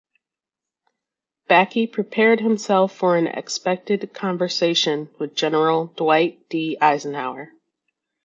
Backe prepared himself for an expected conversation with General Dwight D. Eisenhower.